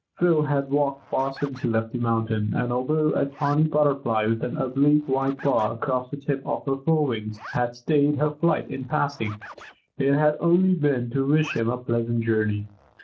Phil had walked far since he left the mountain, and although a tawny Butterfly with an oblique white bar across the tip of her forewings had stayed her flight in passing, it had only been to wish him a pleasant journey.